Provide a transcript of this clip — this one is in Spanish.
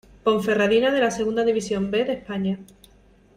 Ponferradina de la Segunda División B de España.